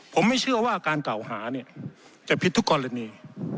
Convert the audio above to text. ผมไม่เชื่อว่าการกล่าวหาเนี่ยจะผิดทุกกรณี